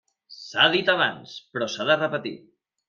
S'ha dit abans però s'ha de repetir.